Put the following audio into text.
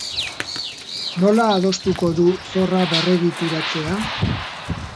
Nola adostuko du zorra berregituratzea?